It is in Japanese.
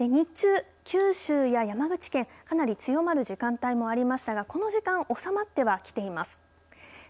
日中、九州や山口県かなり強まる時間帯もありましたが、この時間収まってはきています。